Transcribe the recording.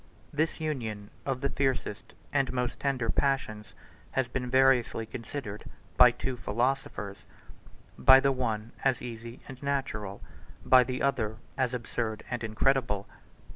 This union of the fiercest and most tender passions has been variously considered by two philosophers; by the one, 112 as easy and natural; by the other, 113 as absurd and incredible.